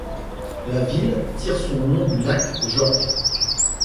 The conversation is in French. La ville tire son nom du lac George.